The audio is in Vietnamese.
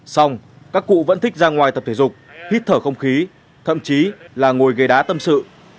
xong các cụ vẫn thích ra ngoài tập thể dục hít thở không khí thậm chí là ngồi ghế đá tâm sự